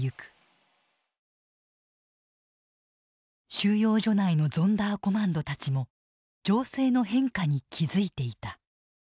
収容所内のゾンダーコマンドたちも情勢の変化に気付いていた。